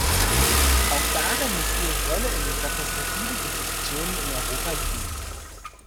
Auch darin muss ihre Rolle in den repräsentativen Institutionen in Europa liegen.